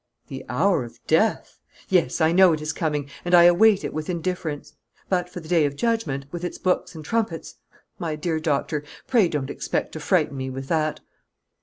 "The hour or death! Yes, I know it is coming, and I await it with indifference. But, for the Day of Judgment, with its books and trumpets! My dear doctor, pray don't expect to frighten me with that."